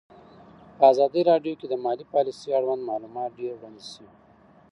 په ازادي راډیو کې د مالي پالیسي اړوند معلومات ډېر وړاندې شوي.